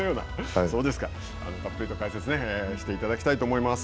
たっぷりと解説していただきたいと思います。